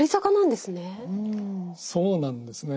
そうなんですね。